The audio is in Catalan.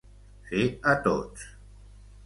Fer a tots.